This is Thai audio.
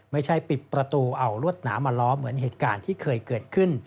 ไม่ใช่ปิดประตูเอารวดหนามาล้อเหมือนเหตุการณ์ที่เคยเกิดขึ้น